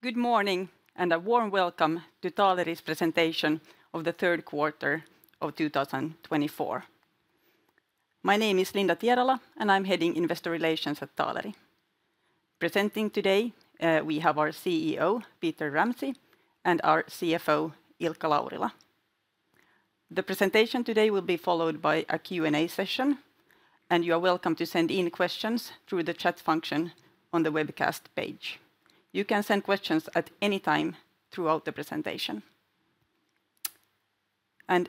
Good morning and a warm welcome to Taaleri's presentation of the third quarter of 2024. My name is Linda Tierala and I'm heading Investor Relations at Taaleri. Presenting today, we have our CEO, Peter Ramsay, and our CFO, Ilkka Laurila. The presentation today will be followed by a Q&A session, and you are welcome to send in questions through the chat function on the webcast page. You can send questions at any time throughout the presentation.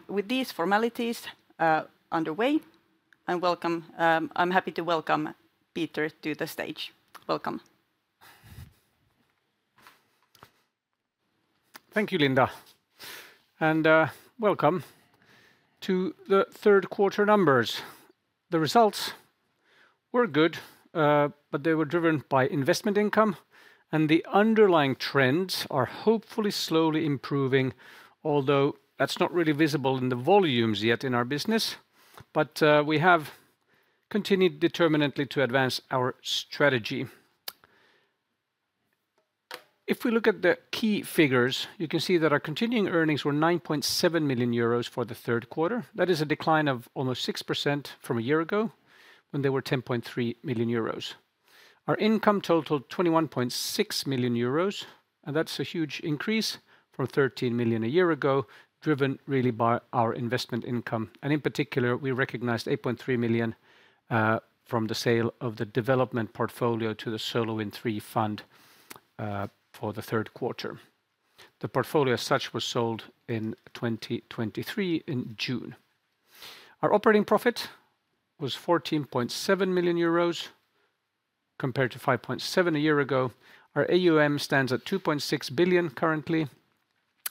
With these formalities underway, I'm happy to welcome Peter to the stage. Welcome. Thank you, Linda. And welcome to the third quarter numbers. The results were good, but they were driven by investment income, and the underlying trends are hopefully slowly improving, although that's not really visible in the volumes yet in our business, but we have continued determinedly to advance our strategy. If we look at the key figures, you can see that our continuing earnings were 9.7 million euros for the third quarter. That is a decline of almost 6% from a year ago when they were 10.3 million euros. Our income totaled 21.6 million euros, and that's a huge increase from 13 million a year ago, driven really by our investment income. And in particular, we recognized 8.3 million from the sale of the development portfolio to the SolarWind III fund for the third quarter. The portfolio as such was sold in 2023 in June. Our operating profit was 14.7 million euros compared to 5.7 million a year ago. Our AUM stands at 2.6 billion currently.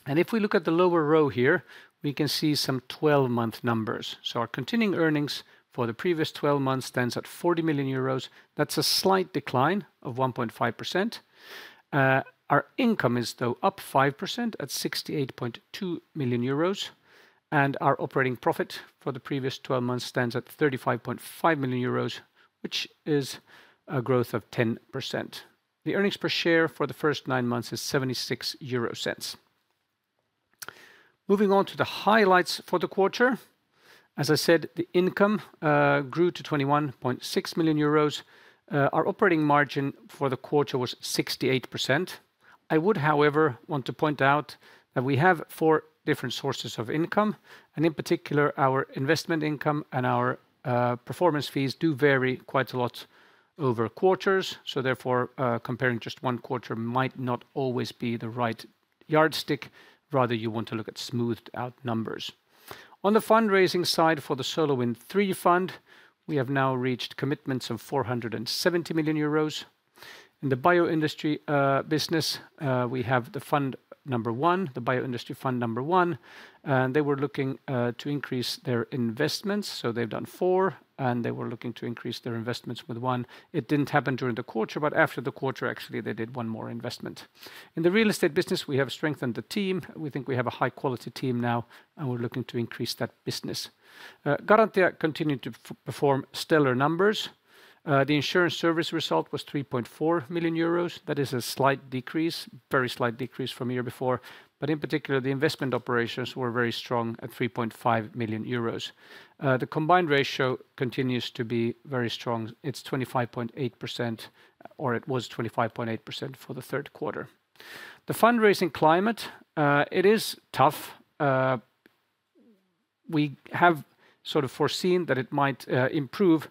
And if we look at the lower row here, we can see some 12-month numbers. So our continuing earnings for the previous 12 months stands at 40 million euros. That's a slight decline of 1.5%. Our income is though up 5% at 68.2 million euros, and our operating profit for the previous 12 months stands at 35.5 million euros, which is a growth of 10%. The earnings per share for the first nine months is 0.76. Moving on to the highlights for the quarter. As I said, the income grew to 21.6 million euros. Our operating margin for the quarter was 68%. I would, however, want to point out that we have four different sources of income, and in particular, our investment income and our performance fees do vary quite a lot over quarters. So therefore, comparing just one quarter might not always be the right yardstick. Rather, you want to look at smoothed-out numbers. On the fundraising side for the SolarWind III fund, we have now reached commitments of 470 million euros. In the Bioindustry business, we have the fund number one, the Bioindustry fund number one, and they were looking to increase their investments. So they've done four, and they were looking to increase their investments with one. It didn't happen during the quarter, but after the quarter, actually, they did one more investment. In the real estate business, we have strengthened the team. We think we have a high-quality team now, and we're looking to increase that business. Garantia continued to perform stellar numbers. The insurance service result was 3.4 million euros. That is a slight decrease, very slight decrease from a year before. But in particular, the investment operations were very strong at 3.5 million euros. The combined ratio continues to be very strong. It's 25.8%, or it was 25.8% for the third quarter. The fundraising climate, it is tough. We have sort of foreseen that it might improve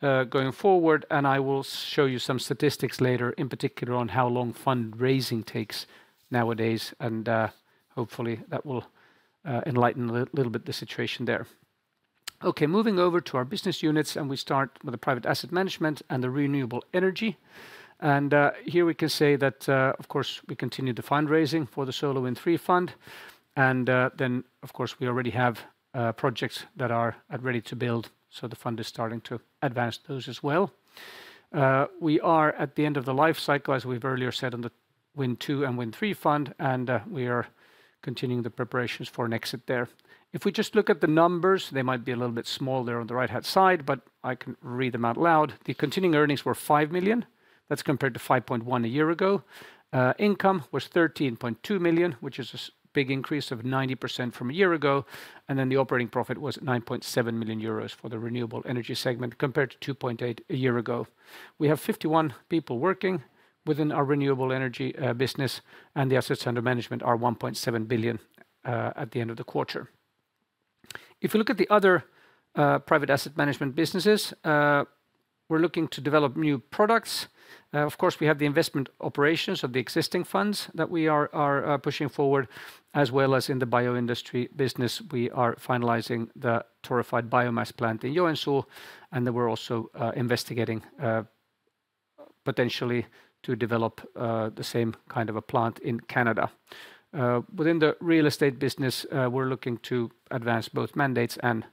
going forward, and I will show you some statistics later, in particular on how long fundraising takes nowadays, and hopefully that will enlighten a little bit the situation there. Okay, moving over to our business units, and we start with the private asset management and the renewable energy. And here we can say that, of course, we continue the fundraising for the SolarWind III fund. Then, of course, we already have projects that are ready to build, so the fund is starting to advance those as well. We are at the end of the life cycle, as we've earlier said, on the Wind II and Wind III fund, and we are continuing the preparations for an exit there. If we just look at the numbers, they might be a little bit smaller on the right-hand side, but I can read them out loud. The continuing earnings were 5 million. That's compared to 5.1 million a year ago. Income was 3.2 million, which is a big increase of 90% from a year ago. Then the operating profit was 9.7 million euros for the renewable energy segment compared to 2.8 million a year ago. We have 51 people working within our renewable energy business, and the assets under management are 1.7 billion at the end of the quarter. If you look at the other private asset management businesses, we're looking to develop new products. Of course, we have the investment operations of the existing funds that we are pushing forward, as well as in the Bioindustry business. We are finalizing the Torrefied biomass plant in Joensuu, and we're also investigating potentially to develop the same kind of a plant in Canada. Within the real estate business, we're looking to advance both mandates and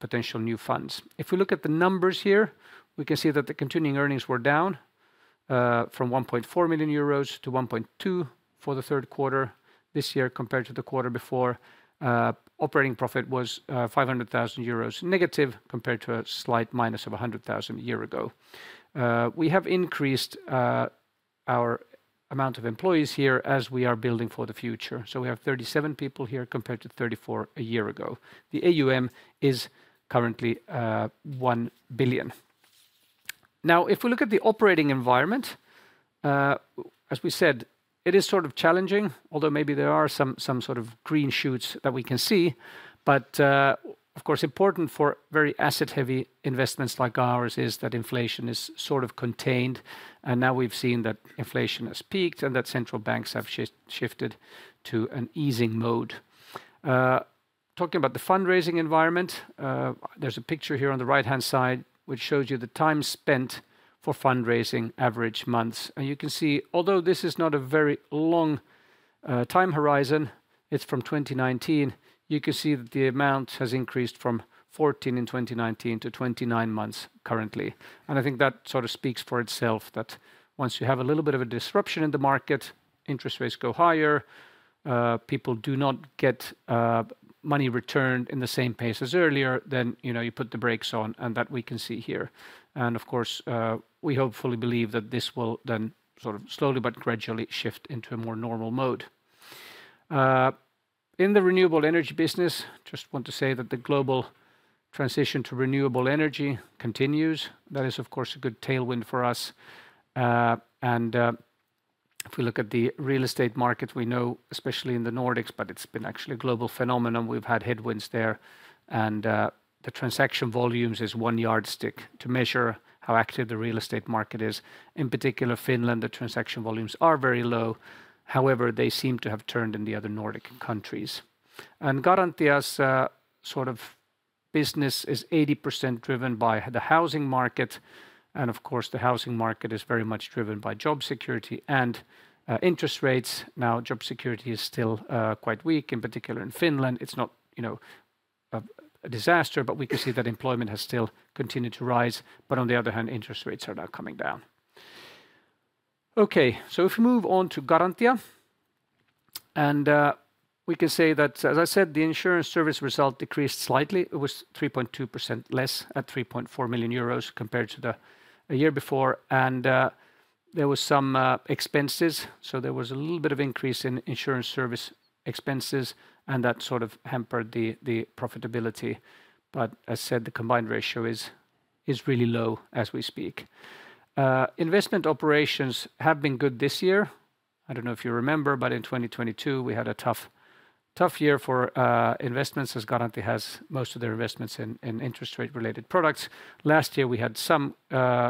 potential new funds. If we look at the numbers here, we can see that the continuing earnings were down from 1.4 million euros to 1.2 million for the third quarter this year compared to the quarter before. Operating profit was 0.5 million euros negative compared to a slight minus of 100,000 a year ago. We have increased our amount of employees here as we are building for the future. So we have 37 people here compared to 34 a year ago. The AUM is currently 1 billion. Now, if we look at the operating environment, as we said, it is sort of challenging, although maybe there are some sort of green shoots that we can see. But, of course, important for very asset-heavy investments like ours is that inflation is sort of contained, and now we've seen that inflation has peaked and that central banks have shifted to an easing mode. Talking about the fundraising environment, there's a picture here on the right-hand side which shows you the time spent for fundraising average months. And you can see, although this is not a very long time horizon, it's from 2019, you can see that the amount has increased from 14 in 2019 to 29 months currently. And I think that sort of speaks for itself that once you have a little bit of a disruption in the market, interest rates go higher, people do not get money returned in the same pace as earlier, then you put the brakes on, and that we can see here. And of course, we hopefully believe that this will then sort of slowly but gradually shift into a more normal mode. In the renewable energy business, I just want to say that the global transition to renewable energy continues. That is, of course, a good tailwind for us. If we look at the real estate market, we know, especially in the Nordics, but it's been actually a global phenomenon. We've had headwinds there, and the transaction volumes is one yardstick to measure how active the real estate market is. In particular, Finland, the transaction volumes are very low. However, they seem to have turned in the other Nordic countries. Garantia's sort of business is 80% driven by the housing market, and of course, the housing market is very much driven by job security and interest rates. Now, job security is still quite weak, in particular in Finland. It's not a disaster, but we can see that employment has still continued to rise. On the other hand, interest rates are now coming down. Okay, so if we move on to Garantia, and we can say that, as I said, the insurance service result decreased slightly. It was 3.2% less at 3.4 million euros compared to the year before, and there were some expenses. So there was a little bit of increase in insurance service expenses, and that sort of hampered the profitability. But as I said, the combined ratio is really low as we speak. Investment operations have been good this year. I don't know if you remember, but in 2022, we had a tough year for investments, as Garantia has most of their investments in interest rate-related products. Last year, we had some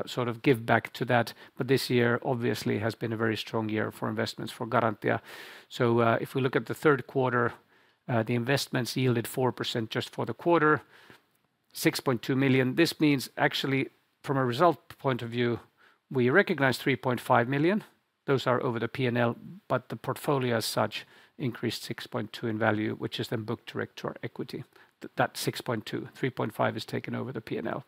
sort of give back to that, but this year obviously has been a very strong year for investments for Garantia. So if we look at the third quarter, the investments yielded 4% just for the quarter, 6.2 million. This means actually, from a result point of view, we recognize 3.5 million. Those are over the P&L, but the portfolio as such increased 6.2 in value, which is then booked direct to our equity. That 6.2, 3.5 is taken over the P&L.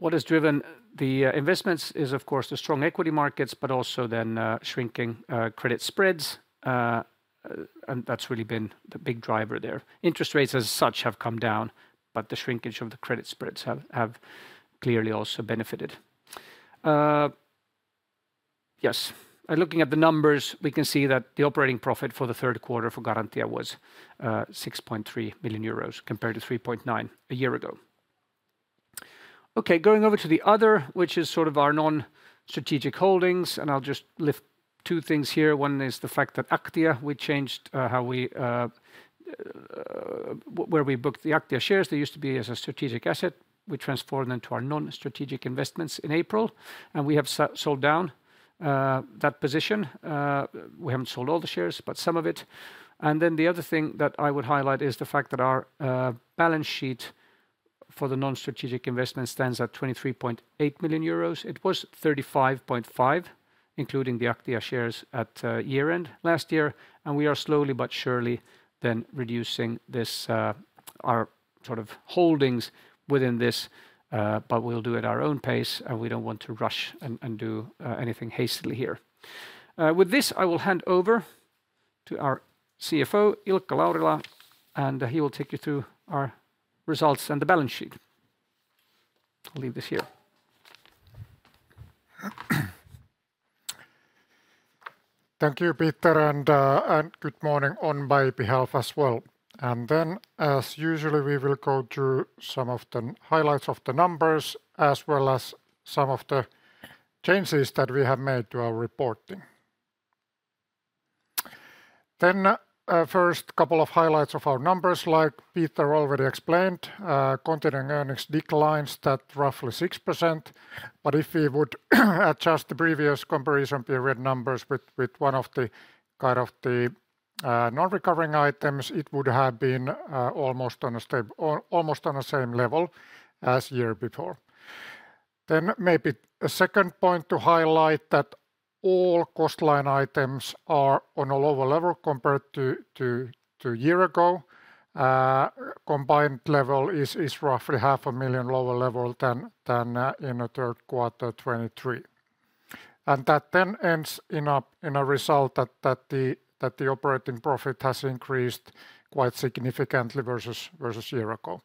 What has driven the investments is, of course, the strong equity markets, but also then shrinking credit spreads, and that's really been the big driver there. Interest rates as such have come down, but the shrinkage of the credit spreads have clearly also benefited. Yes, looking at the numbers, we can see that the operating profit for the third quarter for Garantia was 6.3 million euros compared to 3.9 a year ago. Okay, going over to the other, which is sort of our non-strategic holdings, and I'll just lift two things here. One is the fact that Aktia, we changed how we booked the Aktia shares. They used to be as a strategic asset. We transformed them to our non-strategic investments in April, and we have sold down that position. We haven't sold all the shares, but some of it, and then the other thing that I would highlight is the fact that our balance sheet for the non-strategic investments stands at 23.8 million euros. It was 35.5 million, including the Aktia shares at year-end last year, and we are slowly but surely then reducing our sort of holdings within this, but we'll do it at our own pace, and we don't want to rush and do anything hastily here. With this, I will hand over to our CFO, Ilkka Laurila, and he will take you through our results and the balance sheet. I'll leave this here. Thank you, Peter, and good morning on my behalf as well. As usually, we will go through some of the highlights of the numbers, as well as some of the changes that we have made to our reporting. First, a couple of highlights of our numbers, like Peter already explained, continuing earnings declined at roughly 6%. If we would adjust the previous comparison period numbers with one of the kind of the non-recovering items, it would have been almost on the same level as the year before. Maybe a second point to highlight that all cost line items are on a lower level compared to a year ago. Combined level is roughly 500,000 lower level than in the third quarter 2023. That then ends in a result that the operating profit has increased quite significantly versus a year ago.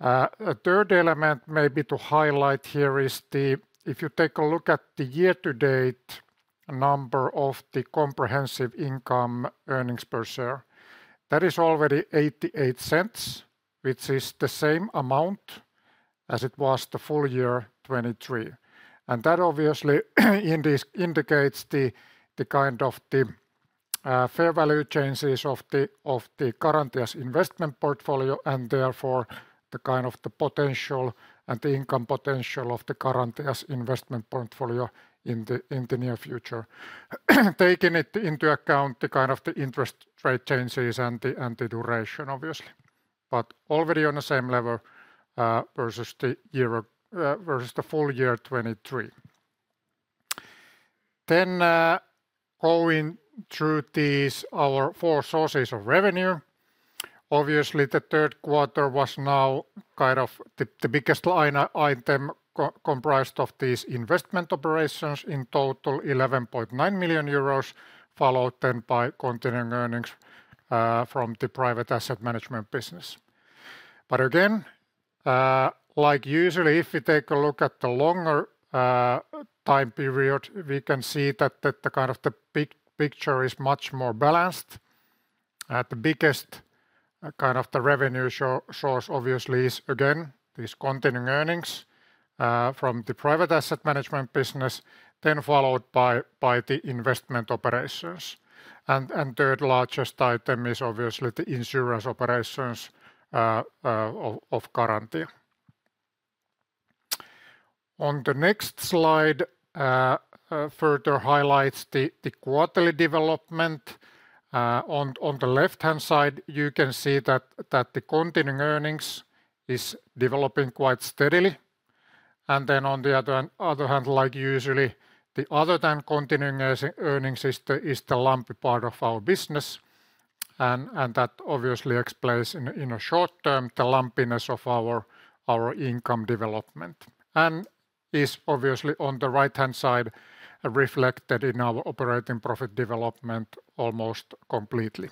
A third element maybe to highlight here is the, if you take a look at the year-to-date number of the comprehensive income earnings per share, that is already 0.88, which is the same amount as it was the full year 2023. And that obviously indicates the kind of the fair value changes of the Garantia's investment portfolio, and therefore the kind of the potential and the income potential of the Garantia's investment portfolio in the near future, taking into account the kind of the interest rate changes and the duration, obviously, but already on the same level versus the full year 2023. Then, going through these our four sources of revenue, obviously the third quarter was now kind of the biggest line item comprised of these investment operations in total, 11.9 million euros, followed then by continuing earnings from the private asset management business. But again, like usually, if we take a look at the longer time period, we can see that the kind of the big picture is much more balanced. The biggest kind of the revenue source obviously is again these continuing earnings from the private asset management business, then followed by the investment operations. And third largest item is obviously the insurance operations of Garantia. On the next slide, further highlights the quarterly development. On the left-hand side, you can see that the continuing earnings is developing quite steadily. And then on the other hand, like usually, the other than continuing earnings is the lumpy part of our business. And that obviously explains in a short term the lumpiness of our income development. And is obviously on the right-hand side reflected in our operating profit development almost completely.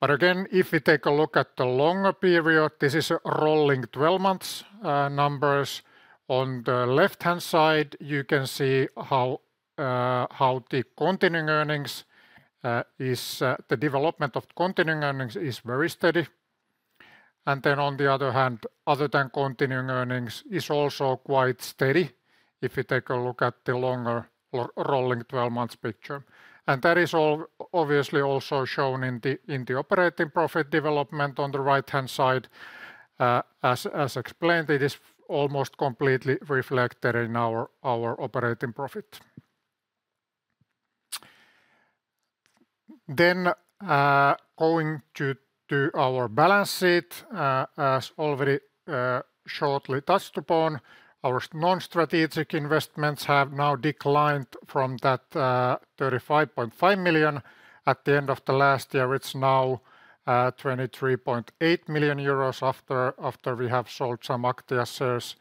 But again, if we take a look at the longer period, this is a rolling 12-month number. On the left-hand side, you can see how the development of continuing earnings is very steady. And then on the other hand, other than continuing earnings is also quite steady if you take a look at the longer rolling 12-month picture. And that is obviously also shown in the operating profit development on the right-hand side. As explained, it is almost completely reflected in our operating profit. Then, going to our balance sheet, as already shortly touched upon, our non-strategic investments have now declined from that 35.5 million at the end of the last year. It's now 23.8 million euros after we have sold some Aktia shares.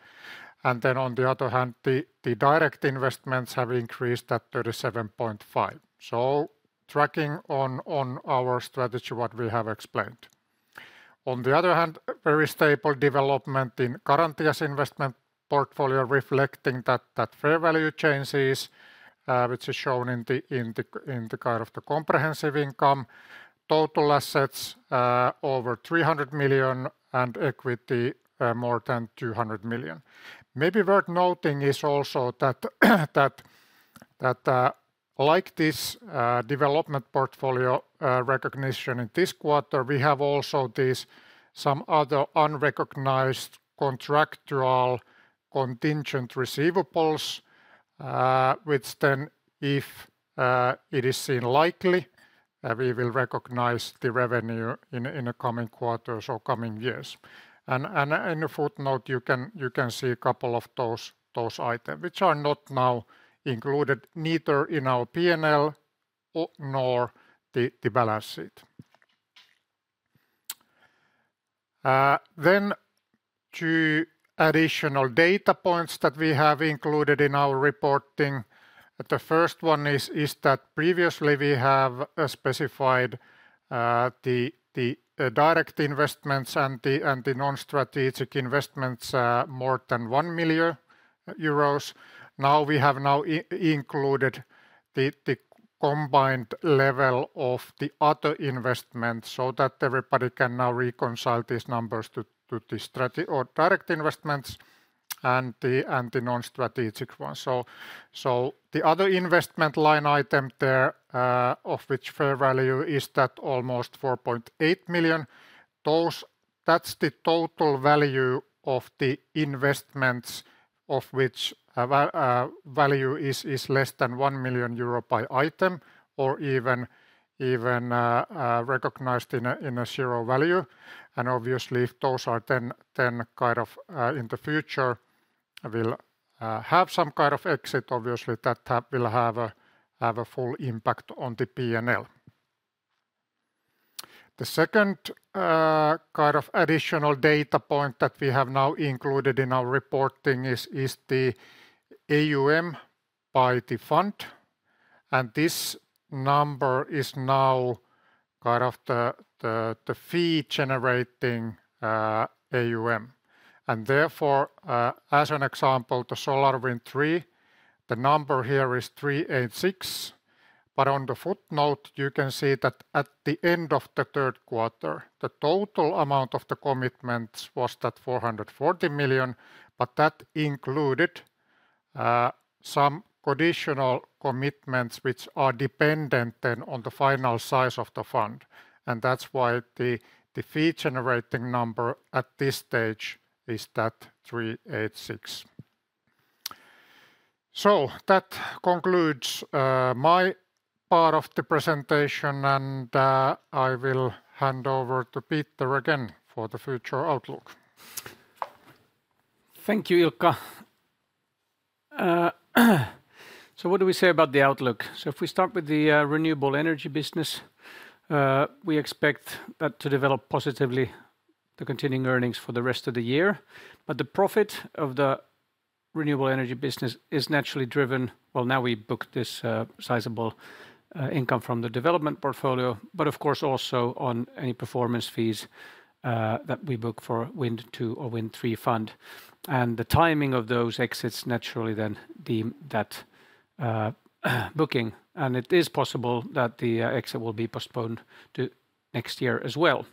And then on the other hand, the direct investments have increased at 37.5 million. So tracking on our strategy what we have explained. On the other hand, very stable development in Garantia's investment portfolio reflecting that fair value change is, which is shown in the kind of the comprehensive income, total assets over 300 million and equity more than 200 million. Maybe worth noting is also that like this development portfolio recognition in this quarter, we have also these some other unrecognized contractual contingent receivables, which then if it is seen likely, we will recognize the revenue in the coming quarters or coming years, and in a footnote, you can see a couple of those items, which are not now included neither in our P&L nor the balance sheet, then, two additional data points that we have included in our reporting. The first one is that previously we have specified the direct investments and the non-strategic investments more than 1 million euros. Now we have included the combined level of the other investments so that everybody can now reconcile these numbers to the direct investments and the non-strategic ones, so the other investment line item there, of which fair value is that almost 4.8 million. That's the total value of the investments of which value is less than 1 million euro by item or even recognized in a zero value, and obviously, if those are then kind of in the future, we'll have some kind of exit, obviously, that will have a full impact on the P&L. The second kind of additional data point that we have now included in our reporting is the AUM by the fund, and this number is now kind of the fee-generating AUM, and therefore, as an example, the SolarWind III, the number here is 386. But on the footnote, you can see that at the end of the third quarter, the total amount of the commitments was 440 million, but that included some conditional commitments which are dependent then on the final size of the fund. And that's why the fee-generating number at this stage is 386 million. So that concludes my part of the presentation, and I will hand over to Peter again for the future outlook. Thank you, Ilkka. So what do we say about the outlook? So if we start with the renewable energy business, we expect that to develop positively the continuing earnings for the rest of the year. But the profit of the renewable energy business is naturally driven, well, now we book this sizable income from the development portfolio, but of course also on any performance fees that we book for Wind II or Wind III fund. And the timing of those exits naturally then determine that booking. And it is possible that the exit will be postponed to next year as well.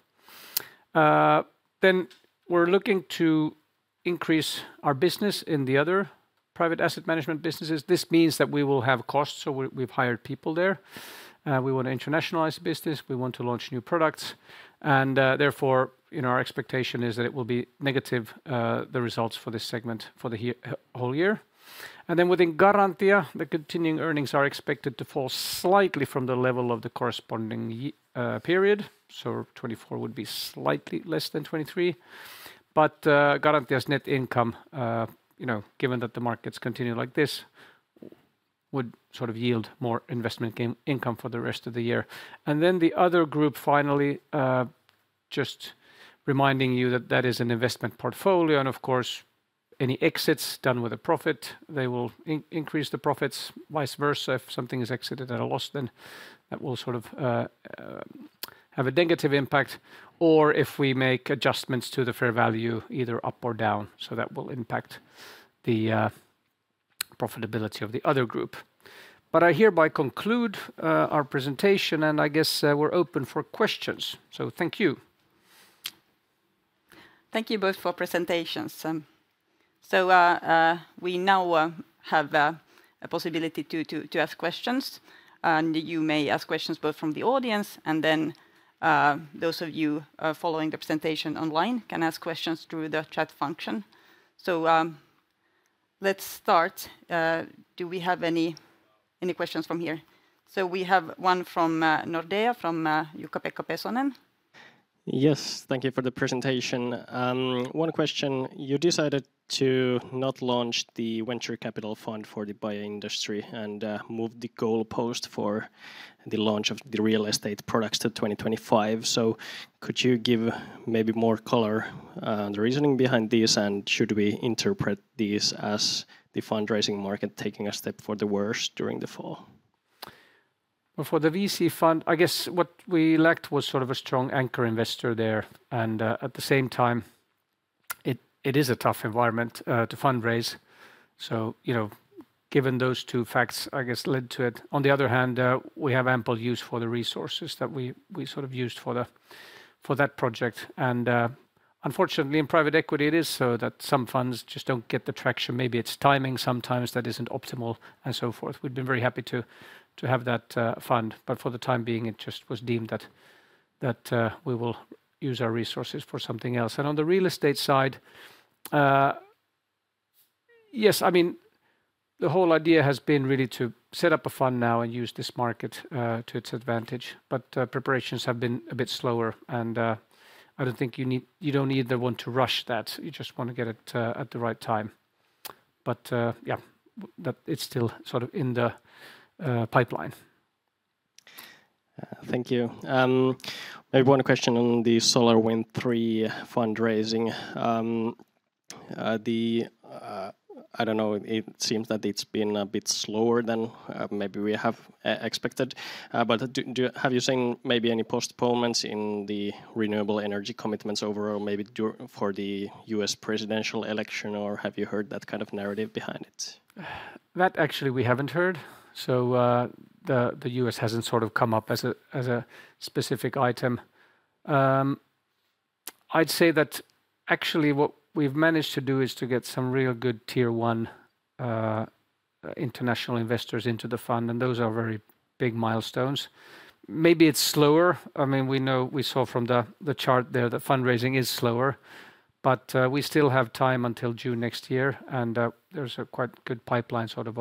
Then we're looking to increase our business in the other private asset management businesses. This means that we will have costs, so we've hired people there. We want to internationalize the business. We want to launch new products. Therefore, our expectation is that it will be negative, the results for this segment for the whole year. Then within Garantia, the continuing earnings are expected to fall slightly from the level of the corresponding period. 2024 would be slightly less than 2023. Garantia's net income, given that the markets continue like this, would sort of yield more investment income for the rest of the year. Then the other group, finally, just reminding you that that is an investment portfolio. Of course, any exits done with a profit, they will increase the profits, vice versa. If something is exited at a loss, then that will sort of have a negative impact. If we make adjustments to the fair value, either up or down, so that will impact the profitability of the other group. But I hereby conclude our presentation, and I guess we're open for questions. So thank you. Thank you both for presentations. So we now have a possibility to ask questions. And you may ask questions both from the audience, and then those of you following the presentation online can ask questions through the chat function. So let's start. Do we have any questions from here? So we have one from Nordea from Jukka-Pekka Pesonen. Yes, thank you for the presentation. One question. You decided to not launch the venture capital fund for the Bioindustry and moved the goalpost for the launch of the real estate products to 2025. So could you give maybe more color on the reasoning behind this, and should we interpret this as the fundraising market taking a step for the worse during the fall? Well, for the VC fund, I guess what we lacked was sort of a strong anchor investor there, and at the same time, it is a tough environment to fundraise. So given those two facts, I guess led to it. On the other hand, we have ample use for the resources that we sort of used for that project, and unfortunately, in private equity, it is so that some funds just don't get the traction. Maybe it's timing sometimes that isn't optimal and so forth. We've been very happy to have that fund, but for the time being, it just was deemed that we will use our resources for something else, and on the real estate side, yes, I mean, the whole idea has been really to set up a fund now and use this market to its advantage. But preparations have been a bit slower. I don't think you don't either want to rush that. You just want to get it at the right time. Yeah, it's still sort of in the pipeline. Thank you. Maybe one question on the SolarWind III fundraising. I don't know. It seems that it's been a bit slower than maybe we have expected. But have you seen maybe any postponements in the renewable energy commitments overall, maybe for the U.S. presidential election, or have you heard that kind of narrative behind it? That, actually, we haven't heard. So the U.S. hasn't sort of come up as a specific item. I'd say that actually what we've managed to do is to get some real good Tier 1 international investors into the fund. And those are very big milestones. Maybe it's slower. I mean, we saw from the chart there that fundraising is slower. But we still have time until June next year. And there's a quite good pipeline sort of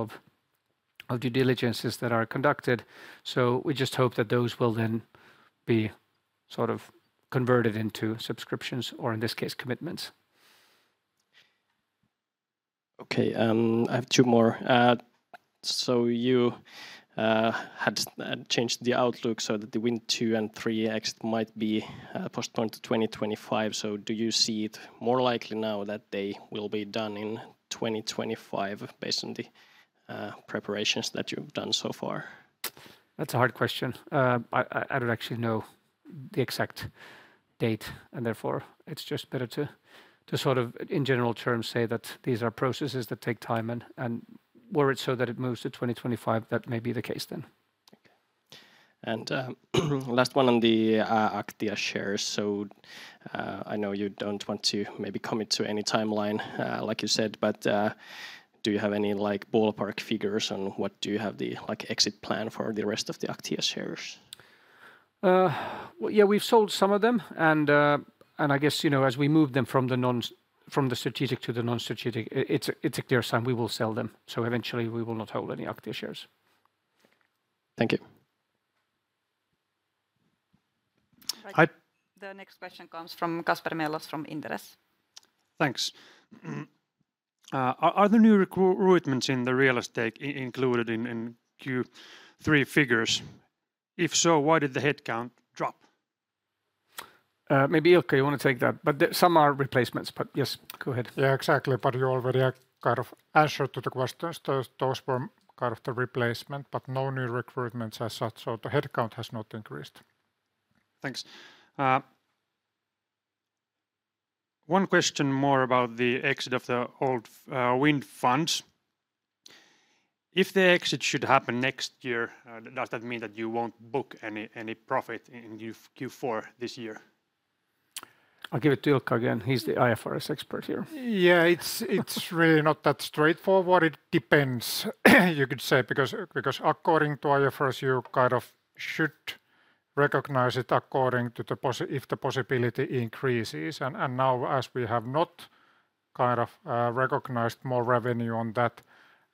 of due diligences that are conducted. So we just hope that those will then be sort of converted into subscriptions or in this case, commitments. Okay. I have two more. So you had changed the outlook so that the Wind II and III Exit might be postponed to 2025. So do you see it more likely now that they will be done in 2025 based on the preparations that you've done so far? That's a hard question. I don't actually know the exact date. And therefore, it's just better to sort of in general terms say that these are processes that take time. And were it so that it moves to 2025, that may be the case then. And last one on the Aktia shares. So I know you don't want to maybe commit to any timeline like you said, but do you have any ballpark figures on what do you have the exit plan for the rest of the Aktia shares? Yeah, we've sold some of them. And I guess as we move them from the strategic to the non-strategic, it's a clear sign we will sell them. So eventually, we will not hold any Aktia shares. Thank you. The next question comes from Kasper Mellas from Inderes. Thanks. Are the new recruitments in the real estate included in Q3 figures? If so, why did the headcount drop? Maybe Ilkka, you want to take that. But some are replacements. But yes, go ahead. Yeah, exactly. But you already kind of answered to the question. Those were kind of the replacement, but no new recruitments as such. So the headcount has not increased. Thanks. One question more about the exit of the old wind funds. If the exit should happen next year, does that mean that you won't book any profit in Q4 this year? I'll give it to Ilkka again. He's the IFRS expert here. Yeah, it's really not that straightforward. It depends, you could say, because according to IFRS, you kind of should recognize it according to if the possibility increases. And now, as we have not kind of recognized more revenue on that,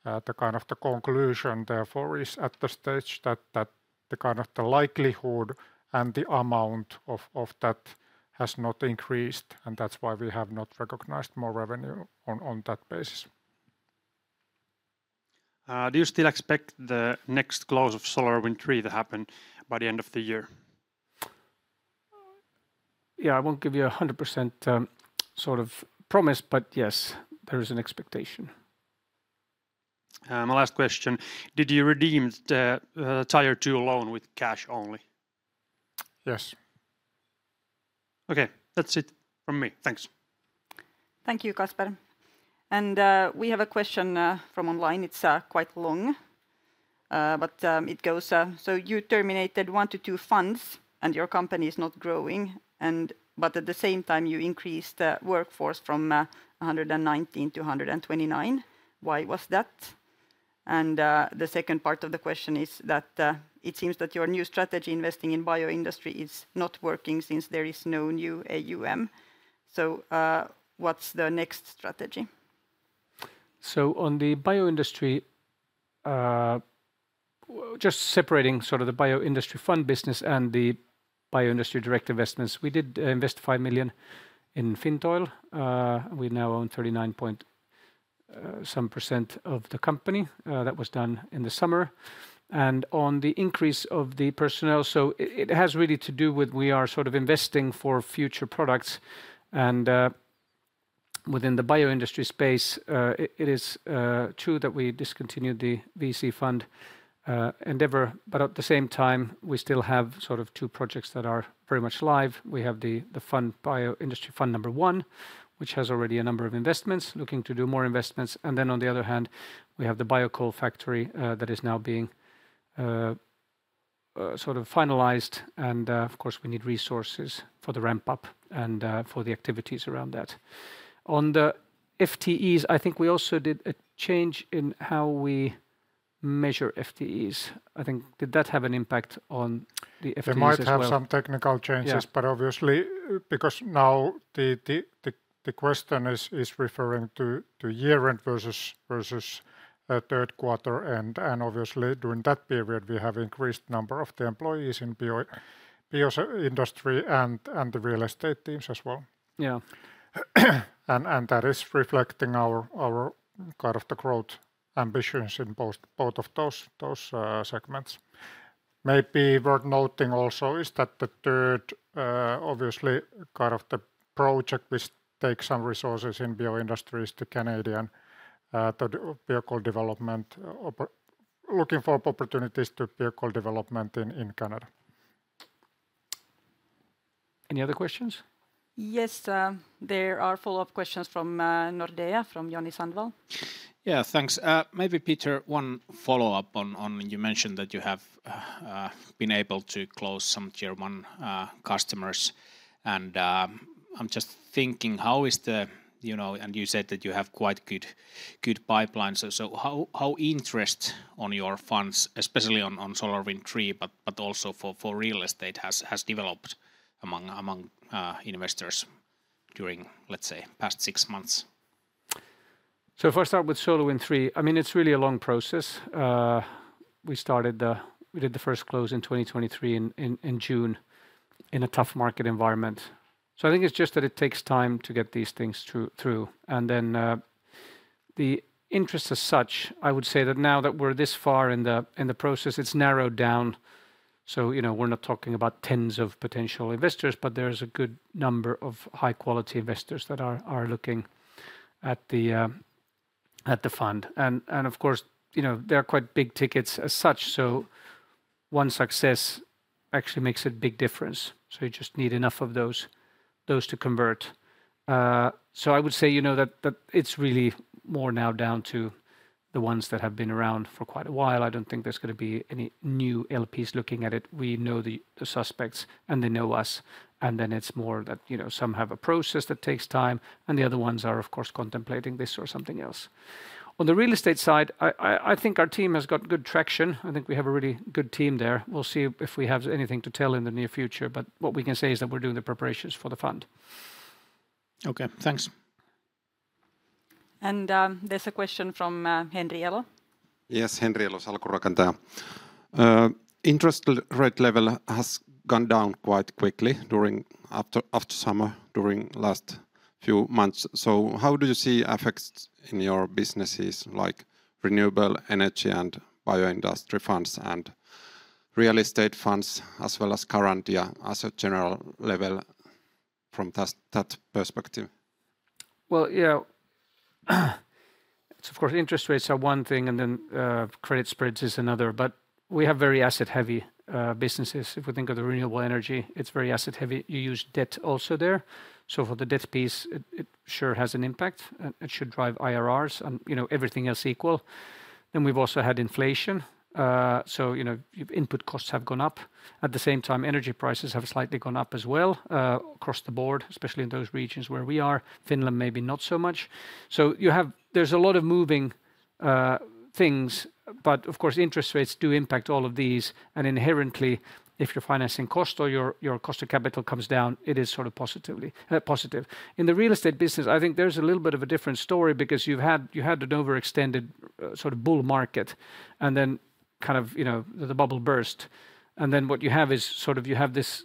the kind of the conclusion therefore is at the stage that the kind of the likelihood and the amount of that has not increased. And that's why we have not recognized more revenue on that basis. Do you still expect the next close of SolarWind III to happen by the end of the year? Yeah, I won't give you a 100% sort of promise, but yes, there is an expectation. My last question. Did you redeem the Tier 2 loan with cash only? Yes. Okay. That's it from me. Thanks. Thank you, Kasper. And we have a question from online. It's quite long. But it goes, so you terminated one to two funds and your company is not growing. But at the same time, you increased the workforce from 119 to 129. Why was that? And the second part of the question is that it seems that your new strategy investing in Bioindustry is not working since there is no new AUM. So what's the next strategy? On the Bioindustry, just separating sort of the Bioindustry fund business and the Bioindustry direct investments, we did invest 5 million in Fintoil. We now own 39.7% of the company. That was done in the summer. On the increase of the personnel, so it has really to do with we are sort of investing for future products. Within the Bioindustry space, it is true that we discontinued the VC fund endeavor, but at the same time, we still have sort of two projects that are very much live. We have the Bioindustry Fund I, which has already a number of investments, looking to do more investments. Then on the other hand, we have the Biocoal factory that is now being sort of finalized. Of course, we need resources for the ramp-up and for the activities around that. On the FTEs, I think we also did a change in how we measure FTEs. I think, did that have an impact on the FTEs? There might be some technical changes, but obviously, because now the question is referring to year-end versus third quarter, and obviously, during that period, we have increased the number of the employees in the Bioindustry and the real estate teams as well. Yeah. And that is reflecting our kind of the growth ambitions in both of those segments. Maybe worth noting also is that the third, obviously, kind of the project which takes some resources in Bioindustry is the Canadian Biocoal development, looking for opportunities to Biocoal development in Canada. Any other questions? Yes, there are follow-up questions from Nordea, from Joni Sandvall. Yeah, thanks. Maybe Peter, one follow-up on you mentioned that you have been able to close some Tier 1 customers. And I'm just thinking, how is the, and you said that you have quite good pipelines. So how interest on your funds, especially on SolarWind III, but also for real estate, has developed among investors during, let's say, past six months? So if I start with SolarWind III, I mean, it's really a long process. We started, we did the first close in 2023 in June in a tough market environment. So I think it's just that it takes time to get these things through. And then the interest as such, I would say that now that we're this far in the process, it's narrowed down. So we're not talking about tens of potential investors, but there is a good number of high-quality investors that are looking at the fund. And of course, they're quite big tickets as such. So one success actually makes a big difference. So you just need enough of those to convert. So I would say that it's really more now down to the ones that have been around for quite a while. I don't think there's going to be any new LPs looking at it. We know the suspects and they know us, and then it's more that some have a process that takes time, and the other ones are, of course, contemplating this or something else. On the real estate side, I think our team has got good traction. I think we have a really good team there. We'll see if we have anything to tell in the near future, but what we can say is that we're doing the preparations for the fund. Okay, thanks. There's a question from Henri Elo. Yes, Henri Elo, SalkunRakentaja. Interest rate level has gone down quite quickly after summer during the last few months. So how do you see effects in your businesses like renewable energy and Bioindustry funds and real estate funds as well as current asset general level from that perspective? Yeah, of course, interest rates are one thing and then credit spreads is another. But we have very asset-heavy businesses. If we think of the renewable energy, it's very asset-heavy. You use debt also there. So for the debt piece, it sure has an impact. It should drive IRRs and everything else equal. Then we've also had inflation. So input costs have gone up. At the same time, energy prices have slightly gone up as well across the board, especially in those regions where we are. Finland maybe not so much. So there's a lot of moving things. But of course, interest rates do impact all of these. And inherently, if your financing cost or your cost of capital comes down, it is sort of positive. In the real estate business, I think there's a little bit of a different story because you had an overextended sort of bull market, and then kind of the bubble burst, and then what you have is sort of you have this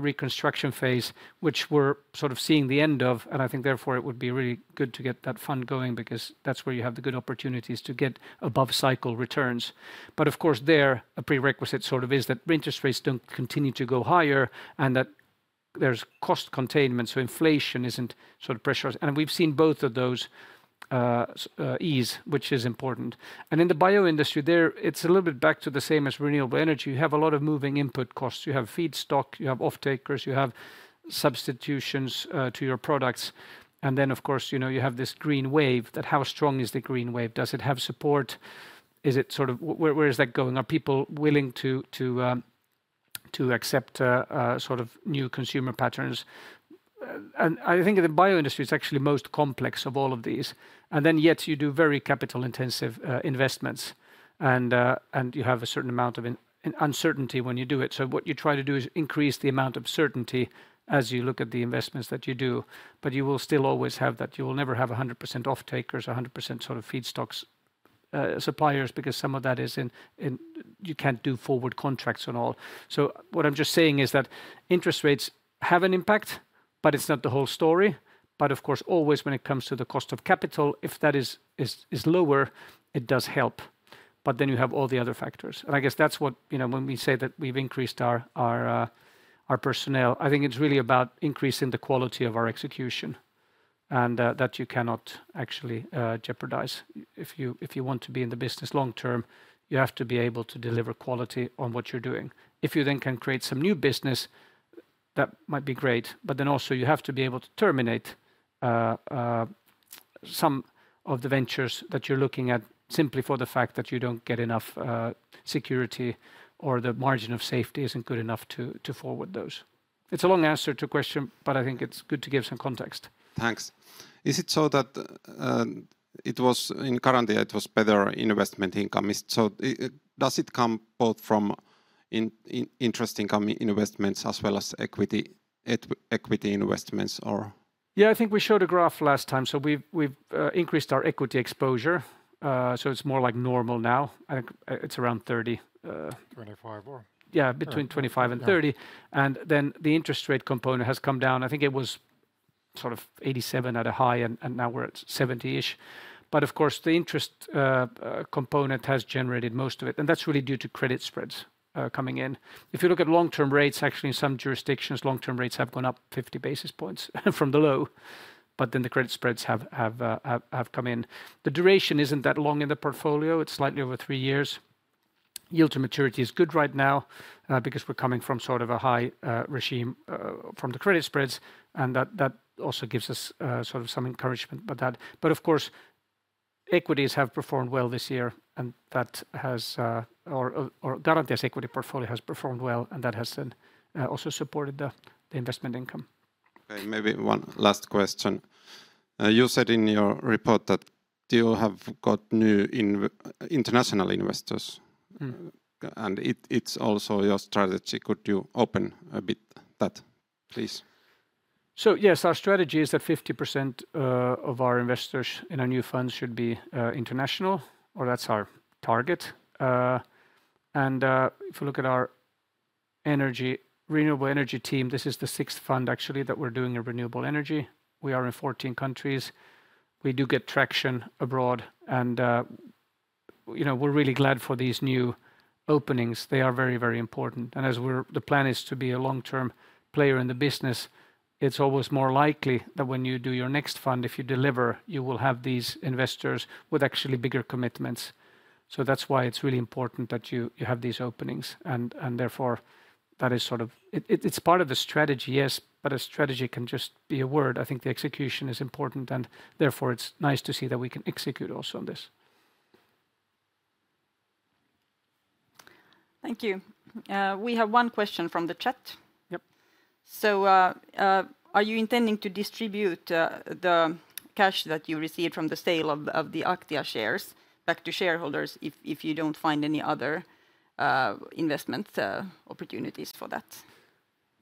reconstruction phase, which we're sort of seeing the end of, and I think therefore it would be really good to get that fund going because that's where you have the good opportunities to get above-cycle returns, but of course, there, a prerequisite sort of is that interest rates don't continue to go higher and that there's cost containment, so inflation isn't sort of pressurized, and we've seen both of those ease, which is important, and in the Bioindustry, it's a little bit back to the same as renewable energy. You have a lot of moving input costs. You have feedstock, you have off-takers, you have substitutions to your products. And then, of course, you have this green wave. How strong is the green wave? Does it have support? Where is that going? Are people willing to accept sort of new consumer patterns? And I think in the Bioindustry, it's actually most complex of all of these. And then yet, you do very capital-intensive investments. And you have a certain amount of uncertainty when you do it. So what you try to do is increase the amount of certainty as you look at the investments that you do. But you will still always have that. You will never have 100% off-takers, 100% sort of feedstocks suppliers because some of that is in you can't do forward contracts and all. So what I'm just saying is that interest rates have an impact, but it's not the whole story. But of course, always when it comes to the cost of capital, if that is lower, it does help. But then you have all the other factors. And I guess that's what when we say that we've increased our personnel, I think it's really about increasing the quality of our execution and that you cannot actually jeopardize. If you want to be in the business long term, you have to be able to deliver quality on what you're doing. If you then can create some new business, that might be great. But then also, you have to be able to terminate some of the ventures that you're looking at simply for the fact that you don't get enough security or the margin of safety isn't good enough to forward those. It's a long answer to a question, but I think it's good to give some context. Thanks. Is it so that it was in currently, it was better investment income? So does it come both from interest income investments as well as equity investments? Yeah, I think we showed a graph last time. So we've increased our equity exposure. So it's more like normal now. I think it's around 30. 25 or. Yeah, between 25 and 30. And then the interest rate component has come down. I think it was sort of 87 at a high, and now we're at 70-ish. But of course, the interest component has generated most of it. And that's really due to credit spreads coming in. If you look at long-term rates, actually, in some jurisdictions, long-term rates have gone up 50 basis points from the low. But then the credit spreads have come in. The duration isn't that long in the portfolio. It's slightly over three years. Yield to maturity is good right now because we're coming from sort of a high regime from the credit spreads. And that also gives us sort of some encouragement with that. But of course, equities have performed well this year. And that has or Garantia's equity portfolio has performed well. And that has also supported the investment income. Okay, maybe one last question. You said in your report that you have got new international investors. And it's also your strategy. Could you open a bit that, please? Yes, our strategy is that 50% of our investors in our new funds should be international, or that's our target. And if you look at our renewable energy team, this is the sixth fund actually that we're doing in renewable energy. We are in 14 countries. We do get traction abroad. And we're really glad for these new openings. They are very, very important. And as the plan is to be a long-term player in the business, it's almost more likely that when you do your next fund, if you deliver, you will have these investors with actually bigger commitments. So that's why it's really important that you have these openings. And therefore, that is sort of, it's part of the strategy, yes. But a strategy can just be a word. I think the execution is important. Therefore, it's nice to see that we can execute also on this. Thank you. We have one question from the chat. Yep. So are you intending to distribute the cash that you received from the sale of the Aktia shares back to shareholders if you don't find any other investment opportunities for that?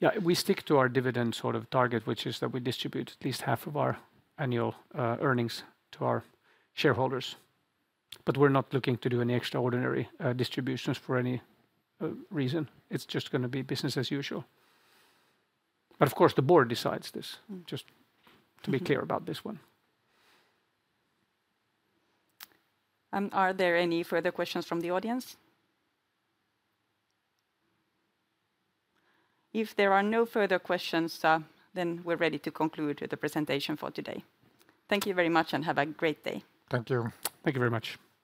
Yeah, we stick to our dividend sort of target, which is that we distribute at least half of our annual earnings to our shareholders. But we're not looking to do any extraordinary distributions for any reason. It's just going to be business as usual. But of course, the board decides this, just to be clear about this one. Are there any further questions from the audience? If there are no further questions, then we're ready to conclude the presentation for today. Thank you very much and have a great day. Thank you. Thank you very much.